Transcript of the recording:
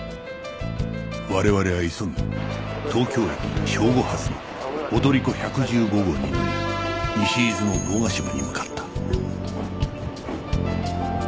我々は急ぎ東京駅正午発の踊り子１１５号に乗り西伊豆の堂ヶ島に向かった